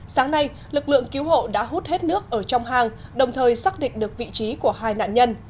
sáng nay lực lượng cứu hộ đã hút hết nước ở trong hang đồng thời xác định được vị trí của hai nạn nhân